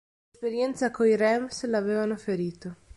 L'esperienza coi Rams lo aveva ferito.